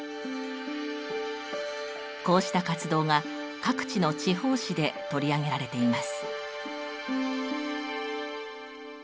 こうした活動が各地の地方紙で取り上げられています。